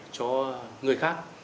cho người khác